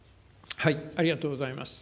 ありがとうございます。